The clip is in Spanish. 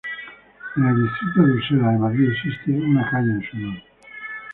En el distrito de Usera de Madrid existe una calle en su honor.